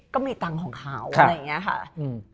ก็มีตังค์ของเขาอะไรอย่างนี้ค่ะ